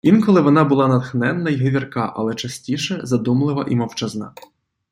Інколи вона була натхненна й говірка, але частіше - задумлива і мовчазна